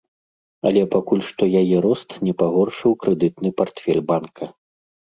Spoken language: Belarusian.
Але пакуль што яе рост не пагоршыў крэдытны партфель банка.